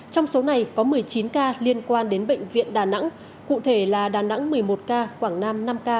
trong số này có một mươi chín ca liên quan đến bệnh viện đà nẵng cụ thể là đà nẵng một mươi một ca quảng nam năm ca